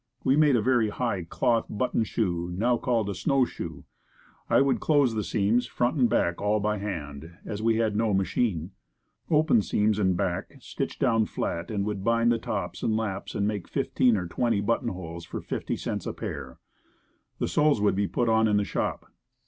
We made a very high, cloth, buttoned shoe, called a snow shoe. I would close the seams, front and back, all by hand, as we had no machine; open seams and back, stitch down flat, and would bind the tops and laps and make fifteen or twenty buttonholes, for 50c a pair. The soles would then be put on in the shop.